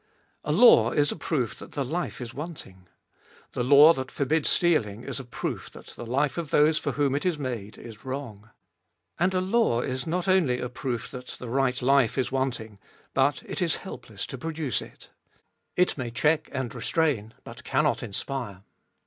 A law is a proof that the life is want ing. The law that forbids stealing is a proof that the life of those for whom it is made is wrong. And a law is not only a proof that the right life is wanting, but it is helpless to produce it. It may check and restrain, but cannot inspire.